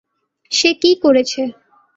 সে কি করেছে?